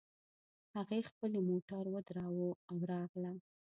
هغې خپلې موټر ودراوو او راغله